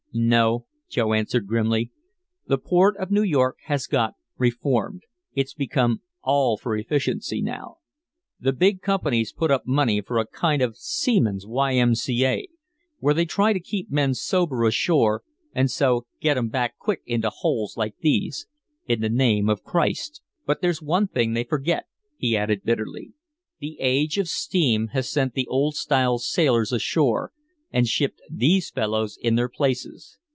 "No," Joe answered grimly. "The port of New York has got reformed, it's become all for efficiency now. The big companies put up money for a kind of a seamen's Y. M. C. A. where they try to keep men sober ashore, and so get 'em back quick into holes like these, in the name of Christ. "But there's one thing they forget," he added bitterly. "The age of steam has sent the old style sailors ashore and shipped these fellows in their places.